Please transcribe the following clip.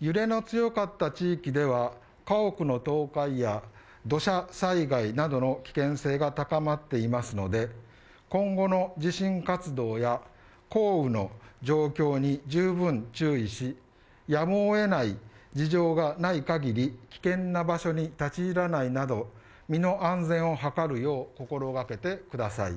揺れの強かった地域では、家屋の倒壊や、土砂災害などの危険性が高まっていますので、今後の地震活動や降雨の状況に十分注意し、やむをえない事情がないかぎり、危険な場所に立ち入らないなど、身の安全を図るよう心がけてください。